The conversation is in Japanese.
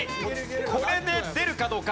これで出るかどうか？